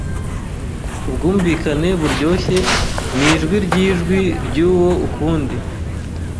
Ubwumvikane buryoshye nijwi ryijwi ryuwo ukundi